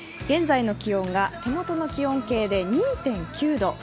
現在の気温が手元の気温計で２．９度。